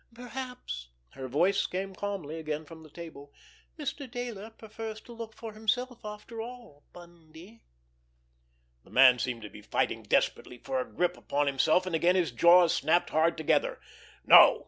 "Perhaps"—her voice came calmly again from the table—"Mr. Dayler prefers to look for himself, after all, Bundy!" The man seemed to be fighting desperately for a grip upon himself, and again his jaws snapped hard together. "No!"